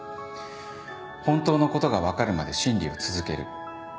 本当のことが分かるまで審理を続ける。